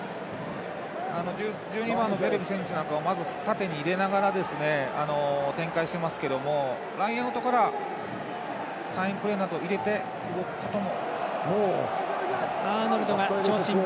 １２番のケレビ選手なんかまず縦に入れながら展開してますけれどもサインプレーなど入れていくことも。